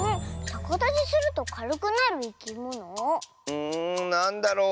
うんなんだろう？